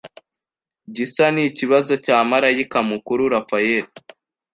gisa nikibazo cya marayika mukuru Raphael